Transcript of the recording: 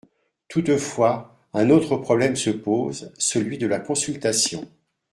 Toutefois, un autre problème se pose : celui de la consultation.